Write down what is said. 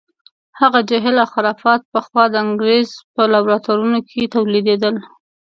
هغه جهل او خرافات پخوا د انګریز په لابراتوارونو کې تولیدېدل.